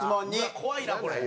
怖いなこれ。